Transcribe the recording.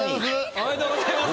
おめでとうございます。